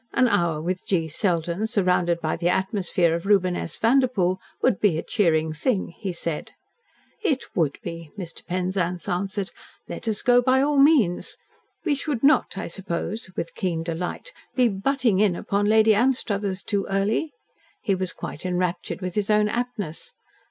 An hour with G. Selden, surrounded by the atmosphere of Reuben S. Vanderpoel, would be a cheering thing," he said. "It would," Mr. Penzance answered. "Let us go by all means. We should not, I suppose," with keen delight, "be 'butting in' upon Lady Anstruthers too early?" He was quite enraptured with his own aptness.